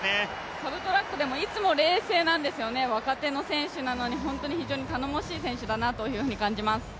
サブトラックでもいつも冷静なんですよね、若手の選手なのに本当に非常に頼もしい選手だなというふうに感じます。